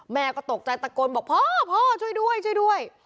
แม่ก็ตกใจตะโกนบอกพ่อพ่อช่วยด้วยช่วยด้วย